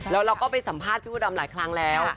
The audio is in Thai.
แล้วเราก็ไปสัมภาษณ์พี่มดดำหลายครั้งแล้ว